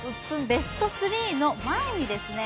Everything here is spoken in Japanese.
ベスト３の前にですね